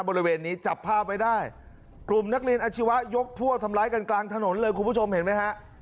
บริเวณนี้จับภาพไว้ได้กลุ่มนักเรียนอาชีวะยกพวกทำร้ายกันกลางถนนเลยคุณผู้ชมเห็นไหมฮะ